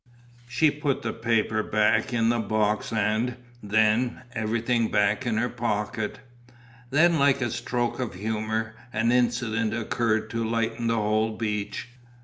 She put the paper back in the box and, then, everything back in her pocket. Then, like a stroke of humour, an incident occurred to lighten the whole beach.